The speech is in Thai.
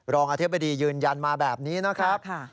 อธิบดียืนยันมาแบบนี้นะครับ